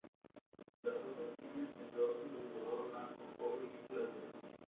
Las hojas tienen el dorso de color blanco o gris plateado.